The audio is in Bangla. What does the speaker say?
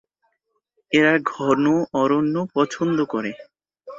এরা ঘন অরণ্য পছন্দ করে।